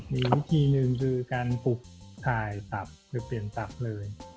มีวิธีหนึ่งคือการปลูกถ่ายตับหรือเปลี่ยนตับเลย